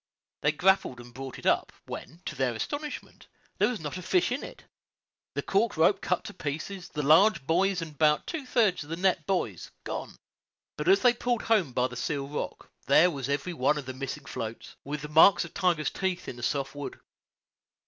They grappled and brought it up, when, to their astonishment, there was not a fish in it, the cork rope cut to pieces, the two large buoys and about two thirds of the net buoys gone. But as they pulled home by the Seal Rock there was every one of the missing floats, with the marks of Tiger's teeth in the soft wood.